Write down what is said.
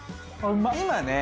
今ね